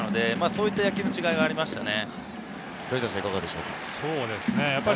そういった野球の違いはありますね。